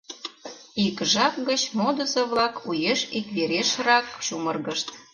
Ик жап гыч модызо-влак уэш икверешрак чумыргышт.